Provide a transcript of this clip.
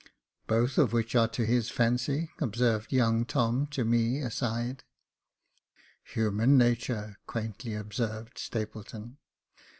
" Both of which are to his fancy," observed young Tom to me, aside. " Human natur^'' quaintly observed Stapleton.